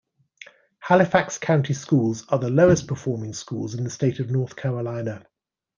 Halifax County Schools are the lowest performing schools in the state of North Carolina.